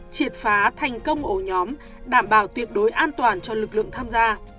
triệt phá thành công ổ nhóm đảm bảo tuyệt đối an toàn cho lực lượng tham gia